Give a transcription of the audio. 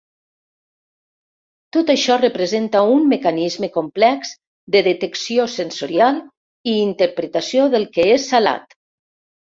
Tot això representa un mecanisme complex de detecció sensorial i interpretació del que és salat.